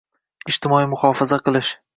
ijtimoiy muhofaza qilish;